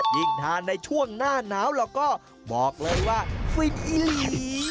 ยิ่งทานในช่วงหน้าหนาวล่ะก็บอกเลยว่าฟริกอีหลี